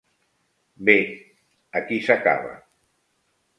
Bé, aquí s"acaba.